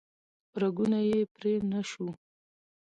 رګونه یې پرې نه شو